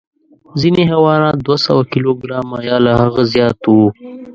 ځینې حیوانات دوه سوه کیلو ګرامه یا له هغه زیات وو.